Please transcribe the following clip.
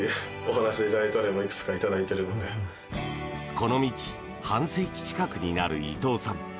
この道半世紀近くになる伊藤さん。